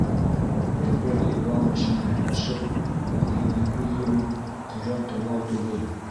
Григорий Иванович менән һөйләшеү — ул һиңә күҙ йомоп ҡөрьән тыңлау түгел.